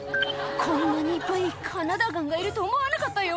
「こんなにいっぱいカナダガンがいると思わなかったよ」